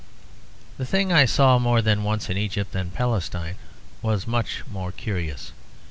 The thing I saw more than once in Egypt and Palestine was much more curious.